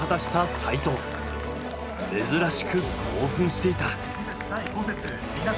珍しく興奮していた。